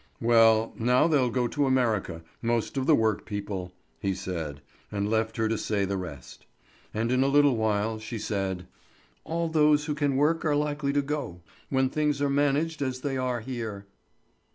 "Well, now they'll go to America, most of the work people," he said, and left her to say the rest. And in a little while she said: "All those who can work are likely to go, when things are managed as they are here."